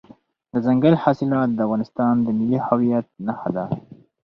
دځنګل حاصلات د افغانستان د ملي هویت نښه ده.